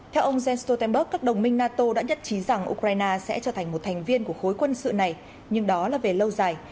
theo ông jens stoltenberg các đồng minh nato đã nhất trí rằng ukraine sẽ trở thành một thành viên của khối quân sự này nhưng đó là về lâu dài